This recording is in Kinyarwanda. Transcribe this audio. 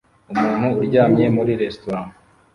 Umuntu uryamye muri resitora